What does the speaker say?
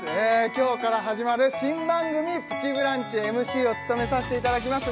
今日から始まる新番組「プチブランチ」ＭＣを務めさせていただきます